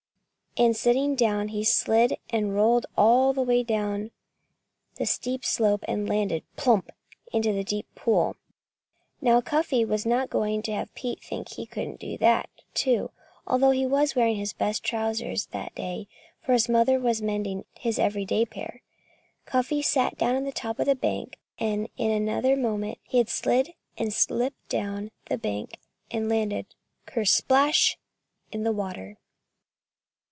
And sitting down, he slid and rolled all the way down the steep slope and landed plump! in the deep pool. Now, Cuffy was not going to have Pete think that he couldn't do that, too. Although he was wearing his best trousers that day (for his mother was mending his every day pair), Cuffy sat down on the top of the bank. And in another moment he had slid and slipped down the bank and landed ker splash! in the water.